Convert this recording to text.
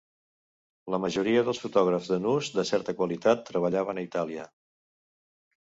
La majoria dels fotògrafs de nus de certa qualitat treballaven a Itàlia.